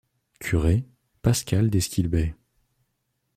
Curé: Pascal Desquilbet.